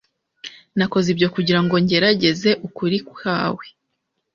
Nakoze ibyo kugira ngo ngerageze ukuri kwawe